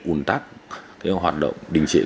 ủn tắc hoạt động đình chỉ